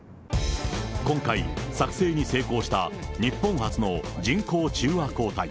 今回、作製に成功した日本初の人工中和抗体。